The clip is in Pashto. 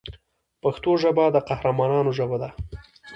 پښتو ژبه د قهرمانانو ژبه ده.